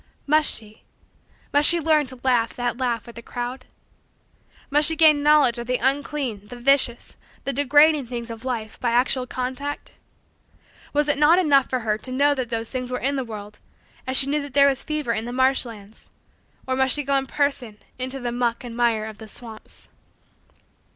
Must she must she learn to laugh that laugh with the crowd? Must she gain knowledge of the unclean, the vicious, the degrading things of life by actual contact? Was it not enough for her to know that those things were in the world as she knew that there was fever in the marsh lands; or must she go in person into the muck and mire of the swamps?